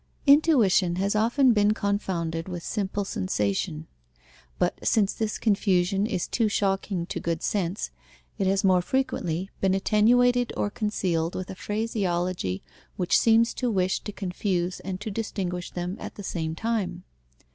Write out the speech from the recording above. _ Intuition has often been confounded with simple sensation. But, since this confusion is too shocking to good sense, it has more frequently been attenuated or concealed with a phraseology which seems to wish to confuse and to distinguish them at the same time.